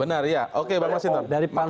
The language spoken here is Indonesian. benar ya oke pak masinor